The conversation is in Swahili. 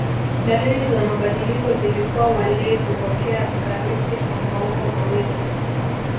Dalili za mabadiliko zilikuwa walei kupokea ekaristi kwa maumbo mawili